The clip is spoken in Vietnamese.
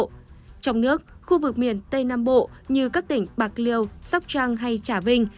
trong nước khu vực miền tây nam bộ như các tỉnh bạc liêu sóc trăng hay trà vinh